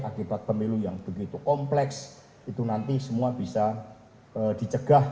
akibat pemilu yang begitu kompleks itu nanti semua bisa dicegah